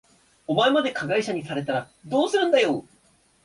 お前まで加害者にされたらどうするんだよ。